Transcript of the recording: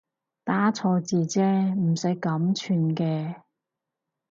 打錯字啫唔使咁串嘅